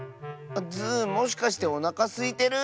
ズーもしかしておなかすいてる？